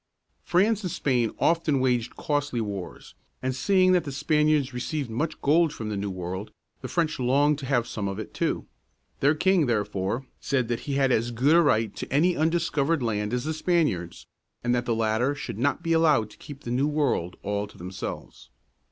France and Spain often waged costly wars, and seeing that the Spaniards received much gold from the New World, the French longed to have some of it, too. Their king, therefore, said that he had as good a right to any undiscovered land as the Spaniards, and that the latter should not be allowed to keep the New World all to themselves.